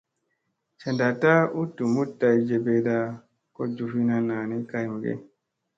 Ca naɗta u ɗumuɗ day jeɓeeɗa ko jufina nani kay mege ?